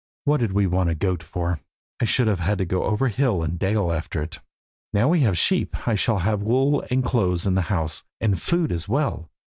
What did we want a goat for? I should have had to go over hill and dale after it. Now we have a sheep I shall have wool and clothes in the house, and food as well.